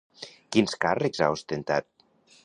Quins càrrecs ha ostentat?